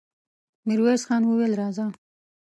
ميرويس خان وويل: راځه!